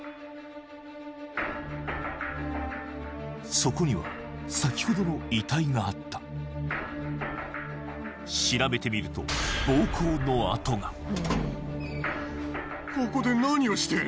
そこには先ほどの遺体があった調べてみると暴行の痕がここで何をしている？